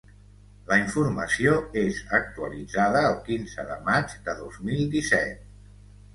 La informació és actualitzada el quinze de maig de dos mil disset.